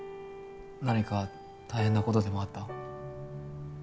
何か大変な事でもあった？